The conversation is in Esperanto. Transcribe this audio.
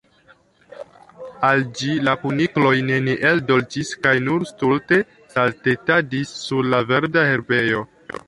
Al ĝi, la kunikloj neniel dolĉis, kaj nur stulte saltetadis sur la verda herbejo.